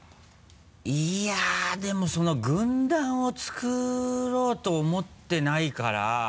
いやでもその軍団を作ろうと思ってないから。